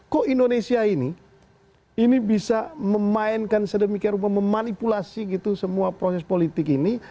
kok indonesia ini ini bisa memainkan sedemikian rupa memanipulasi gitu semua proses politik ini